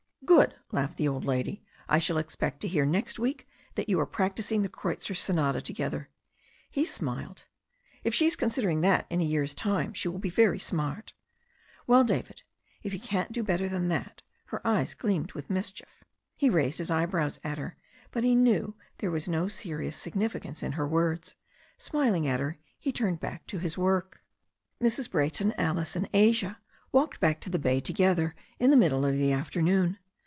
"Good," laughed the old lady. "I shall expect to hear next week that you are practising the Kreutzer Sonata to gether." He smiled. "If she's considering that in a year's time she will be very smart" "Well, David, if you can't do better than that ^" Her eyes gleamed with mischief. He raised his eyebrows at her. But he knew there was no serious significance in her words. Smiling at her, he turned back to his work. Mrs. Brayton, Alice and Asia walked back to the bay to gether in the middle of the afternoon.